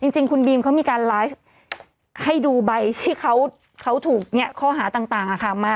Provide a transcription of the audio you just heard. จริงคุณบีมเขามีการไลฟ์ให้ดูใบที่เขาถูกข้อหาต่างมา